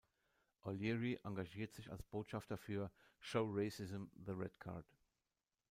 O'Leary engagiert sich als Botschafter für Show Racism the Red Card.